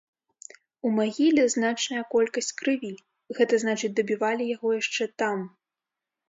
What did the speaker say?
У магіле значная колькасць крыві, гэта значыць, дабівалі яго яшчэ там.